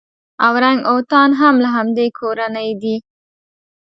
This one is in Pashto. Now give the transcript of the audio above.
اورنګ اوتان هم له همدې کورنۍ دي.